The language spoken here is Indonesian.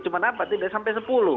cuma apa tidak sampai sepuluh